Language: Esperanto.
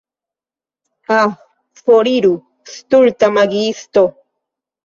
Ah, foriru stulta magiisto.